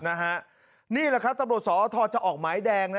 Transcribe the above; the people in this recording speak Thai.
นี่แหละครับตำรวจสอทรจะออกหมายแดงนะ